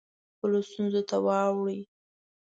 خپلو ستونزو ته واړوي.